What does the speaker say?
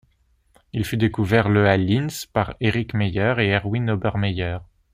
Il fut découvert le à Linz par Erich Meyer et Erwin Obermair.